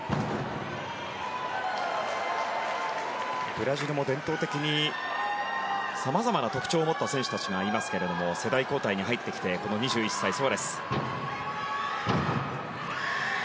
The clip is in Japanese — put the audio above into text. ブラジルも伝統的にさまざまな特徴を持った選手たちがいますけれども世代交代に入ってきて２１歳のソアレス。